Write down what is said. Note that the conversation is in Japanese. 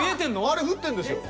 あれ降ってんですよ。